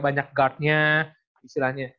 banyak guard nya istilahnya